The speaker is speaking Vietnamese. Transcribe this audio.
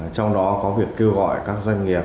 trong đó có việc kêu gọi các doanh nghiệp